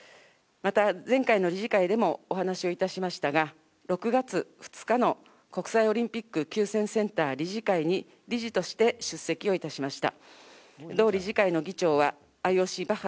また前回の理事会でもお話をいたしましたが、６月２日の国際オリンピックきゅうせんセンター理事会に理事として出席をいたしました。